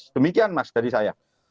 demikian mas dari saya